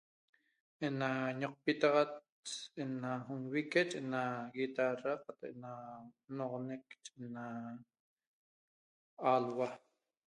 Ena ñoqpitaxat ena nvique ena guitarra ena noxoneq ena alua a'